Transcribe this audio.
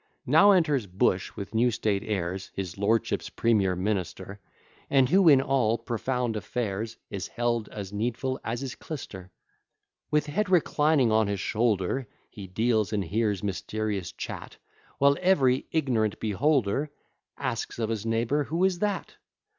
Now enters Bush with new state airs, His lordship's premier minister; And who in all profound affairs, Is held as needful as his clyster. With head reclining on his shoulder, He deals and hears mysterious chat, While every ignorant beholder Asks of his neighbour, who is that?